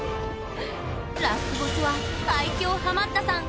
ラスボスは最強ハマったさん